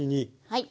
はい。